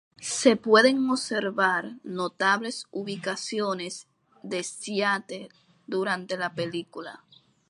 Se pueden observar notables ubicaciones de Seattle durante la película.